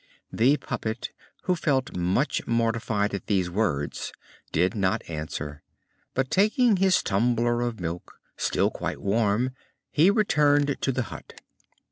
The puppet, who felt much mortified at these words, did not answer; but, taking his tumbler of milk, still quite warm, he returned to the hut.